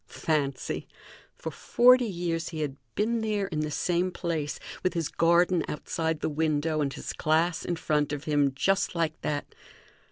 Fancy! For forty years he had been there in the same place, with his garden outside the window and his class in front of him, just like that.